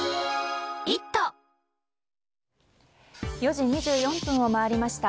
４時２４分を回りました。